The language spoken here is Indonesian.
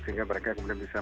sehingga mereka kemudian bisa